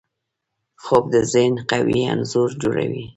خوب د ذهن قوي انځور جوړوي